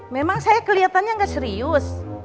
memang saya keliatannya gak serius